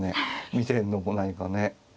見てるのも何かね。